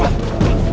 udah pak gausah pak